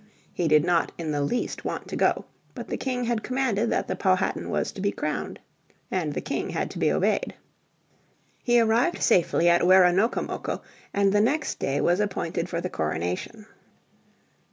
He did not in the least want to go, but the King had commanded that the Powhatan was to be crowned. And the King had to be obeyed. He arrived safely at Weronocomoco, and the next day was appointed for the coronation.